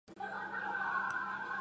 bà bói bình tĩnh rồi đáp